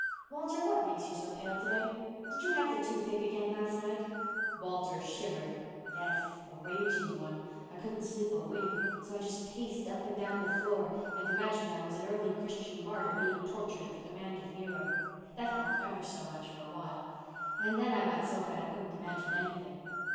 Walter, what makes you so pale to day? Did you have the toothache again last night?" Walter shivered. "Yes—a raging one. I couldn't sleep a wink—so I just paced up and down the floor and imagined I was an early Christian martyr being tortured at the command of Nero. That helped ever so much for a while—and then I got so bad I couldn't imagine anything."